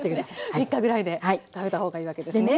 ３日ぐらいで食べたほうがいいわけですね。